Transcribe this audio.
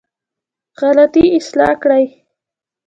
غلطي اصلاح کړې.